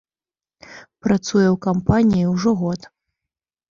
Працуе ў кампаніі ўжо год.